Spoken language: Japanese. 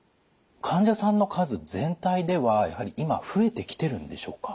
患者さんの数全体ではやはり今増えてきてるんでしょうか？